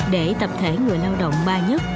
để tập thể người lao động ba nhất